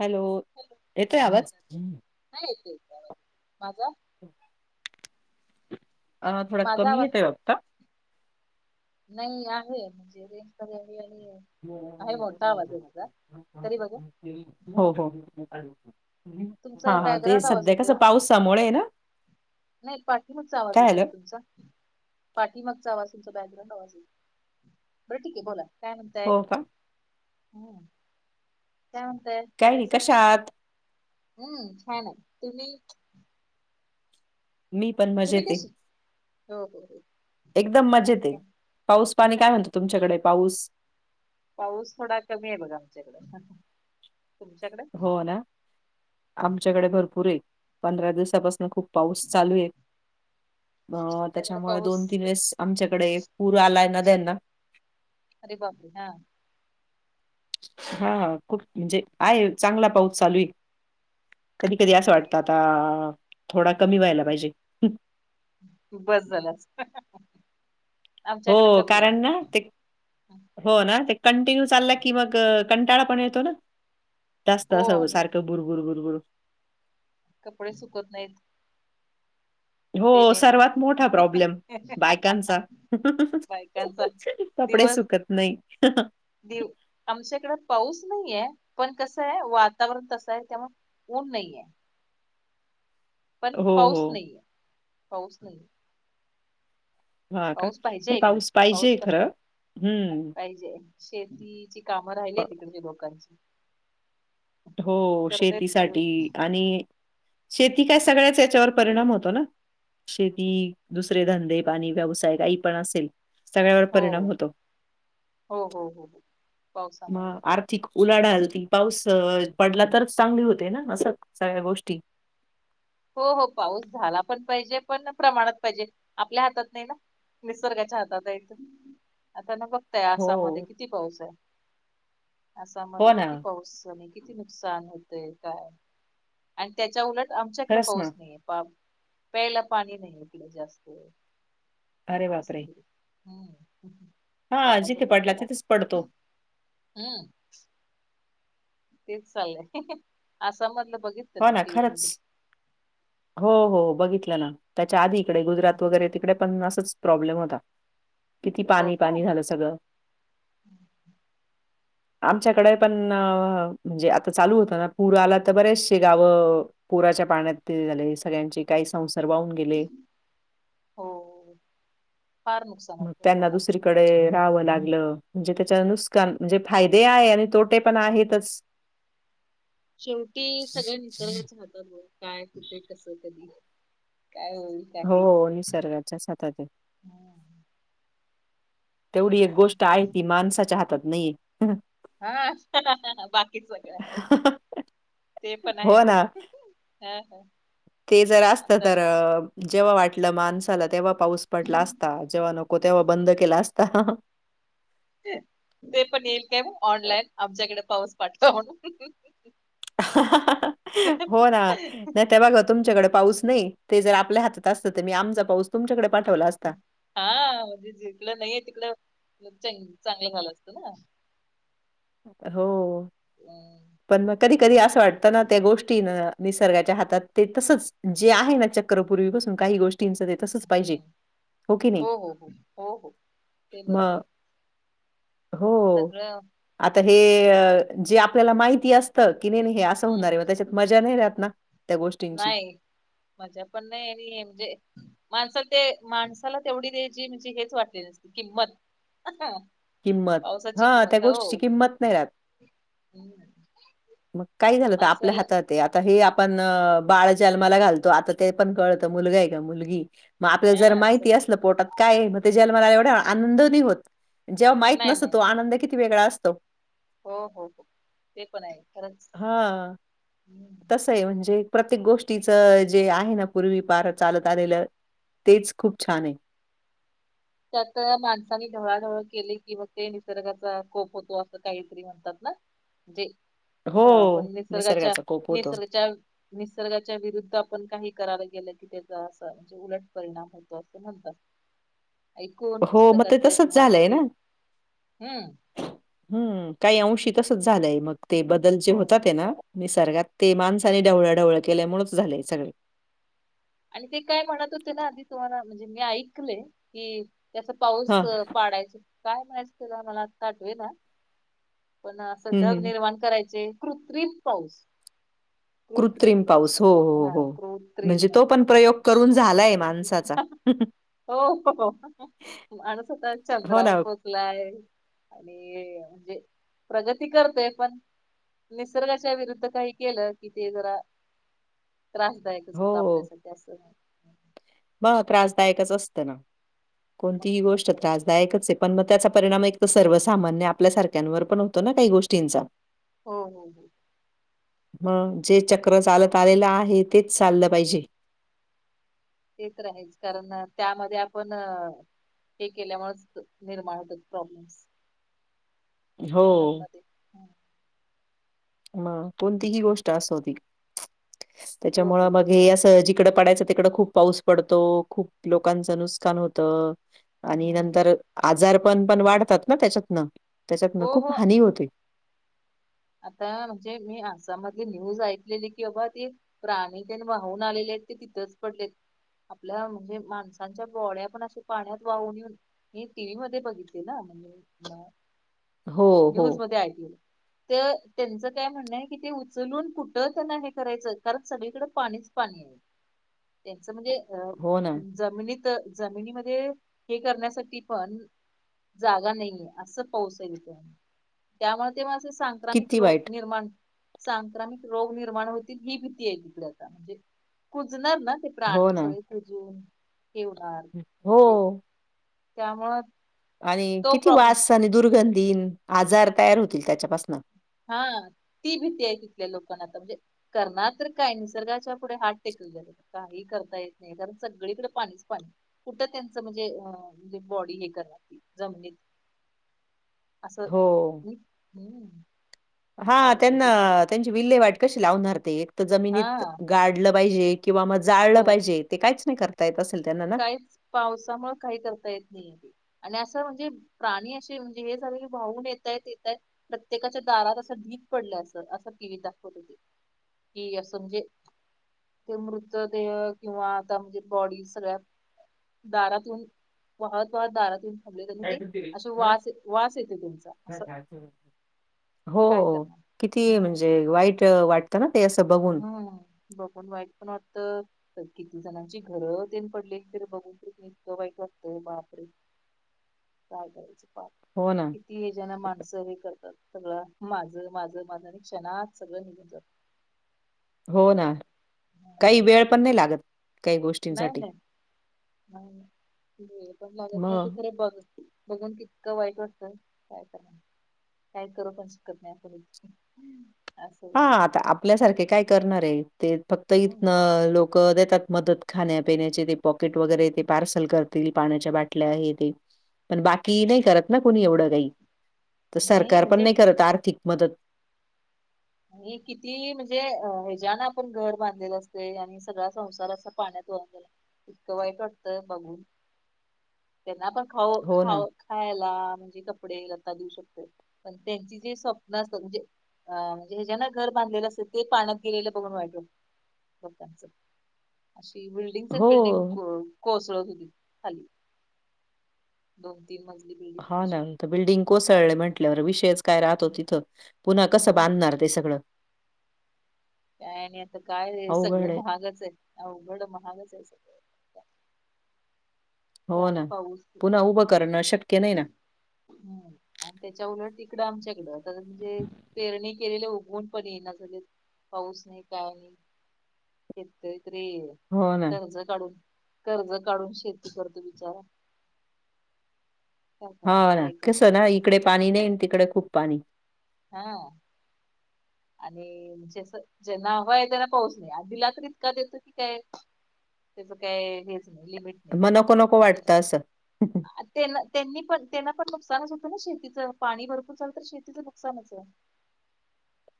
Hello. येतोय आवाज? ह येत येत माझं अ थोडा माझा कमी आवाज येतोय ओ, नाही आहे म्हणजे रेंज कमी आली आहे. आहे मोठा आवाज आहे माझा तरी बघा हो हो हा तुमचा हा ते बॅकग्राउंड आवाज सध्या कस येतोय ओ पाऊस समोर आहे ना. नाही पाठिमागचा आवाज काय येतोय झालं ओ तुमचा पाठीमागचा आवाज तुमचा बॅकग्राऊंड आवाज आहे. बरं ठीक आहे बोला काय म्हणताय हो का? हू काय म्हणताय काय नाही बरहाईसा कशा आहात? हू छान आहे तुम्ही मी पण, तुम्ही मजेत आहे कशी हो हो हो. एकदम आणि मजेत आहे. काय पाऊस पाणी काय म्हणतो तुमच्याकडे पाऊस पाऊस थोडा कमी आहे बघा आमच्याकड तुमच्याकडे, हो ना. आमच्याकड भरपूर आहे. पंधरा दिवसापासून खूप पाऊस चालू आहे? अ तुमच्याकडे त्याच्यामुळे पाऊस दोन तीन वेळेस आमच्याकडे पूर आलाय नद्यांना अरे बापरे. हा हा खूप म्हणजे आहे चांगला पाऊस चालू आहे. कधी कधी अस नाही वाटतं आम आता थोडा कमी व्हायला पाहिजे? तू बस झालास हो, कारण ना ते हो ना ते कंटिन्यू चालला की मग कंटाळा पण येतो ना. जास्त हो असावं आणि सारखं बुरबुरबुरबुर कपडे सुकत नाहीत. हो ते मेन आहे सर्वात मोठा प्रॉब्लेम बायकांचा, बायकांचा कपडे सुकत नाही देव आमच्या इकडे पाऊस नाहीे पण कसं आहे वातावरण तसं आहे त्यामुळे- ऊन नाही आहे.? पण हो. पाऊस नाहीे पाऊस नाहीे. हां का? पाऊस पाहिजे नाही एकदा पाहिजे पाऊस खरं. हं. पाहिजे. शेतीची कामं राहिली प इकडंच्या लोकांची. हो करतायत थोडी. शेतीसाठी आणि शेती काय सगळ्याच याच्यावर परिणाम होतो ना. शेती दुसरे धंदे पाणी व्यवसाय काही पण असेल. सगळ्यावर हो परिणाम होतो.... हो हो हो हो म पावसामुळे होते आर्थिक- उलाढाती पाऊस पडला तरच चांगली होते ना असं सगळ्या गोष्टी. हो हो पाऊस झाला पण पाहिजे पण प्रमाणात पाहिजे. आपल्या हातात नाही ना. निसर्गाच्या हातात आहे. आता न बघताय ना आसाममध्ये हो. किती पाऊस आहे हो आसाममध्ये ना किती पाऊस चालू- किती नुकसान होतय काय आणि त्याच्या उलट आमच्या खरंच ना पाऊस नाही. पाप प्यायला पाणी नाही इकडे जास्त अरे अस बापरे! होतंय हम्म हां, पाण्याचा जिथे पडला तुडवडा. तिथेच पडतो. हम्म. तेच चाललंय आसाम मधल बघितलं हो ना टीव्ही मध्ये, खरंच. हो हो बघितलं ना, त्याच्याआधी इकडे गुजरात वगैरे तिकडे पण असच प्रॉब्लेम होता. किती हो का पाणी-पाणी झालं सगळं. आमच्याकडे पण म्हणजे आता चालू होतं ना पुर आला तर बरेचशी गावं पुराच्या पाण्यात ते झाले, सगळ्यांचे काय संसार वाहून गेले. हो फार नुकसान म होतं त्यांना लोकांच दुसरीकड डे राहाव लागलं म्हणजे त्याच नुकसान म्हजे फायदे आहे आणि तोटे पण आहेतच. [inaudible] शेवटी सगळं निसर्गाच्या हातात बग काय, कुठे, कस कधी काय होईल. काही हो निसर्गाच्याच हातात हाय. हम्म तेवढी एक काय गोष्ट म्हणता? आहे, ती माणसाच्या हातात नाहीये. हा ह ह बाकी सगळं आहे, ते पण आहे हो खरं ना. हम्म ह. हा हा. ते जर असत आता तर जेव्हा वाटलं माणसाला तेव्हा पाऊस पडला असता, जेव्हा नको तेव्हा बंद केला असता. ते पण येईल काय, ऑनलाईन आमच्याकडे पाऊस पाठवा म्हणून. हा हा हो ना, नायतर बघा तुमच्याकडे पाऊस नायी ते जर आपल्या हातात असतं तर मी आमचा पाऊस तुमच्याकडे पाठवला असता. हा म्हणजे जिकड नाहीये तिकड च-चांगलं झालं असतं ना. हो, अं, पण मग कधी कधी असं वाटतं ना त्या गोष्टीन निसर्गाच्या हातात ते तसच, जे आहे ना चक्र पूर्वीपासून काही गोष्टींच तसच पाहिजे, हम्म हो की नाही हो हो हो हो ते म बरोबर आहे हो. सगळं आता हे अ जे आपल्याला माहिती असतं, की नायी नायी हे असं हम्म होणार आहे म त्येच्यात मजा नाही राहत ना. त्या गोष्टींची नाय मजा पण नाय म्हणजे एनजे माणसल ते माणसाला तेवढी ते जी म्हजे हेच वाटली नसती किंमत. अह! किंमत. पावसाची हां, किंमत त्या काय ओ गोष्टीची किंमत नाही राहत. हम्. मग काही झालं त आपल्या हातातहे आता हे आपण बाळ जन्माला घालतो. आता ते पण कळत, मुलगा हाय का मुलगी मग आपल्याला जर हा स- माहिती अस पोटात काय हाय, मग ते जन्माला आल्याव एवढा आनंद नायी होत. जेव्हा माहित नाही नसतो, नाही तो आनंद किती वेगळा असतो. हो हो हो ते पण हाय खरंच हा. हम्म. [unintelligible] म्हणजे प्रत्येक गोष्टीच जे आहे ना पूर्वीपार चालत आलेलं तेच खूप छान हाय. त्यात माणसानी ढवळाधवळ केली कि मग ते निसर्गाचा कोप होतो, असं काहीतरी म्हणतात ना. म्हणजे हो अ पण निसर्गाच्या- निसर्गाचा कोप होतो. निसर्गाच्या निसर्गाच्या विरुद्ध आपण काही करायला गेलं की त्याच असं उलट परिणाम होतो अस म्हणतात. ऐकून हो मग ते पुस्तकातलं तसंच किंवा अस झालंय ना. टीव्ही हम्म. हम्म, काहीअंशी तसच झालंय मग ते बदल जे हो होतात ते ना? निसर्गात ते माणसाने ढवळाढवळ केल्यामुळेच झालय सगळे. आणि ते काय म्हणत, होते ना आधी तुम्हाला म्हणजे मी ऐकलय की त्याचा पाऊस हा. पाडायच काय म्हणायचं, ते मला आता आठवेना. पण असं हं, ढग हं. निर्माण करायचे, कृत्रिम पाऊस. कृत्रिम पाऊस हो हो हो म्हणजे, तो पण प्रयोग करून झालाय. माणसाचा. हो हो माणूस आता हो चंद्रावर ना. पोहच नाही आणि म्हणजे प्रगती करतोय पण निसर्गाच्या विरुद्ध काही केलं कि ते जरा त्रासदायकच होत हो. आपल्यासाठी असं मग त्रासदायकच असतं ना मग कोणतीही गोष्ट त्रासदायक दायकच आहे पण मग त्याचा परिणाम एक तर सर्वसामान्य आपल्या सारख्यांवर पण होतो ना काही गोष्टींचा हो हो हा जे चक्र चालतंआलेलं आहे तेच चाललं पाहिजे. तेच आहेच कारण त्यामध्ये आपण हे केल्यामुळेच निर्माण होतात प्रॉब्लेम्स हो. नमदी हम [unintelligible] मग कोणतीही गोष्ट असती हो त्याच्यामुळं हो मग हो हे असं तिकडं पडायचं तिकडं खूप पाऊस पडतो खूप लोकांच नुकसान होतं. आणि हम्म नंतर आजार पण पण वाढतात ना त्याच्यातनं त्याच्यातनं हो खूप हो हानी होते. आता म्हणजे मी आसाममधली न्यूज ऐकलेली की बाबा ती प्राणी त्यांण वाहून आलेले आहेत ते तिथंच पडलेत. आपल्या म्हणजे माणसांच्या बॉडया पण अशा पाण्यात वाहून येऊन मी टीव्ही मध्ये बघितले ना म्हणजे हो हो न्यूज मध्ये ऐकलं. तर त्यांचं काय म्हणणं आहे की ते उचलून कुठं त्यांना हे करायचं कारण सगळीकडे पाणीच पाणी त्यांचं म्हणजे अ हो ना जमिनीत जमिनीमध्ये हे करण्यासाठी पण जागा नाहीये असं पाऊस त्यामुळे ते असं सांग क्रमिक किती रोग वाईट निर्माण सांक्रमिक रोग निर्माण होतील ही भीती आहे तिकडे आता म्हणजे कुजणार ना हो प्राणी ना सगळे खुजून हे होणार म्हणजे हो. त्यामुळं आणि तो किती प्रॉब्लेम वास आणि दुर्गंधीन आजार तयार होतील त्याच्यापासन हा ती भीती आहे तिथल्या लोकांना आता म्हणजे करणार तर काय निसर्गाच्या पुढे हात टेकले काही करता येत नाही कारण सगळीकडे पाणीच पाणी कुठं त्यांचं म्हणजे अ म्हणजे बॉडी हे करणार जमिनीत असं हो. हा त्यांना पावसाचे त्यांची विल्हे वाट कशी लावणार ते एक तर हा जमिनीत गाडलं पाहिजे किंवा मग जाळलं हो पाहिजे ते काहीच नाही करता येत असेल त्यांना ना काहीच पावसामुळे काही करता येत नाही. आणि असं म्हणजे प्राणी अशे म्हणजे हे झालं की भाऊून येतात येतात. प्रत्येकाच्या दारात असं ढीक पडलाय असं असं टीव्हीत दाखवत होते. की असं म्हणजे ते मृतदेह किंवा आता म्हणजे बॉडी सगळ्या दारातून वाहत वाहत दारात येउन थांबल्यात तेनं ती असं वास वास येतयं तेंचा असं काय हो करणार. किती हम्म. म्हणजे वाईट वाट वाटतं ना ते असं बघून हम्म बघून वाईट पण वाटतं तर किती जणांची घरं तेन पडलेली तरी बघून इतकं वाईट वाटतंय बापरे. काय करायचं? हो ना. ती हे ज्यांना माणसं हे करतात सगळं माझं माझं माझं आणि क्षणात सगळं निघून जात. हो ना काही हम्म. वेळ पण नाही लागत. काही नाही गोष्टींसाठी. नाही नाही वेळ पण लागत नाही ते मग? खरे बघ बघून कितकं वाईट वाटतं काय करनार काय करू पण शिकत नाही पुढे. हां आता आपल्यासारखे काय करणार ये ते फक्त हम्म इथनं लोक क देतात मदत खाण्यापिण्याचे ते पॉकेट वगैरे ते पार्सल करतील पाण्याच्या बाटल्या हे ते पण बाकी नाही करत ना कोणी एवढं काही तर सरकार पण नाही करत आर्थिक मदत आणि किती म्हणजे अ हेज्यान आपण घर बांधलेलं असतयं आणि सगळा संसार असा पाण्यात वाहून गेला. इतकं वाईट वाटतं बघून. त्यांना पण खाऊ हो ना. खाऊ खायला म्हणजे कपडे आता देऊ शकतोय पण त्यांची जे स्वप्न असतात म्हणजे अ म्हणजे हे ज्यानं घर बांधलेलं असल ते पाण्यात गेलेलं बघून वाईट लोकांचं अशी बिल्डिंगसच बिल्डिंग हो. को कोसळत होती खाली. हो. तीन मजली बिल्डिंग. हा ना अशी त बिल्डिंग आणि कोसळले म्हंटल्यावर विषयच काय राहतो तिथं पुन्हा कसं हम्म बांधणार ते सगळं. काय आणि आता काय हे अवघड सगळं आहे. महागच आहे अवघड महागच आहे सगळं. हो काय ना पाऊस पुन्हा उभं करणं शक्य नाही ना. ह आणि त्याच्या उलट तिकडं आमच्याकडं आ म्हणजे पेरणी केलेले उघवून पण येणार झाले पाऊस नाही काय नाही. शेतकरीे तरी हो ना. कर्ज काढून कर्ज काढून शेती करतो बिचारा. काय हो करणार ना वाईकट कसं ना इकडे पाणी नाही तिकडे खूप पाणी. हा. आणि जस ज्यांना हवा आहे त्यांना पाऊस नाही आणि दिला तर इतका देतो की काय त्याचं काय हेच नाही लिमिट. नाही नको नको वाटत असं. त्येनं त्यांनी पण त्यांन पण नुकसानच होतं ना शेतीचं पाणी भरपूर झालं तर शेतीचं नुकसानच आहे.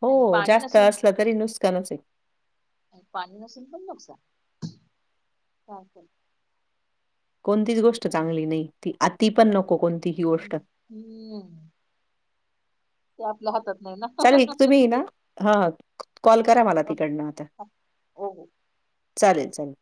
हो आणि पाणी जास्त नसून असलं तरी नुसकानच ये. पाणी नसेल पण नुकसान. चालतंय. कोणतीच गोष्ट चांगली नाही ती आति पण नको कोण हम हम्म. ते आपल्या हातात नाही ना चालेल तुम्हीयं ते ना हां कॉल करा मला तिकडनं आता. हो चालेल चालेल.